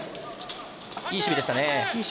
いい守備でしたね。